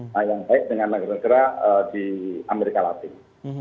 nah yang baik dengan negara negara di amerika latin